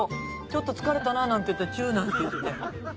ちょっと疲れたななんていってチュなんていって。